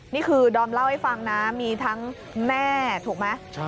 ดอมเล่าให้ฟังนะมีทั้งแม่ถูกไหม